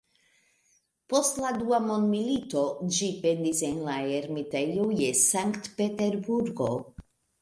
Post la Dua Mondmilito ĝi pendis en la Ermitejo je Sankt-Peterburgo.